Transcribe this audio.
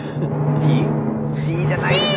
Ｄじゃないでしょ。